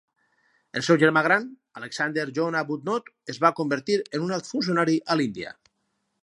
El seu germà gran, Alexander John Arbuthnot, es va convertir en un alt funcionari a l'Índia.